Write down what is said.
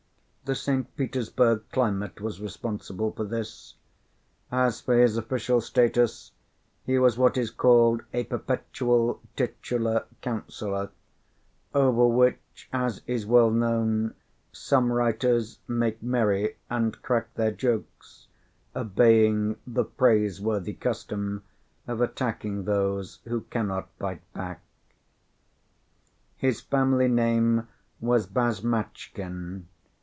The St. Petersburg climate was responsible for this. As for his official status, he was what is called a perpetual titular councillor, over which, as is well known, some writers make merry, and crack their jokes, obeying the praiseworthy custom of attacking those who cannot bite back. His family name was Bashmatchkin.